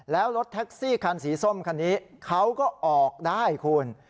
แล้วรถแท็กซี่คันสีส้มคันนี้เขาก็ออกได้คุณ